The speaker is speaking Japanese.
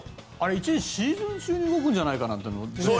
一時、シーズン中に動くんじゃないかとか。